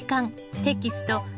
テキスト２